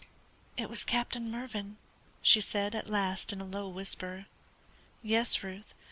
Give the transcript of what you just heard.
"It was Captain Mervyn," she said, at last, in a low whisper. "Yes, Ruth.